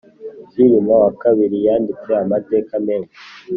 Kilima wakabili yanditse amateka menshi